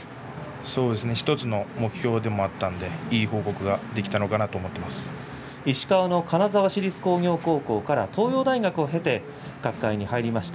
１つの目標でもあったのでいい報告ができたのかなと石川の金沢市立工業高校から東洋大学にいきました。